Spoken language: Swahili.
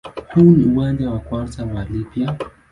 Huu ni uwanja wa kwanza wa Libya.